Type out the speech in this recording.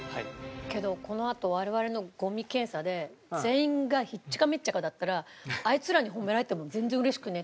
けどこのあと我々の五味検査で全員がひっちゃかめっちゃかだったらあいつらに褒められても全然嬉しくねえって。